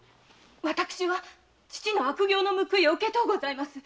私は父の悪行の報いを受けとうございます。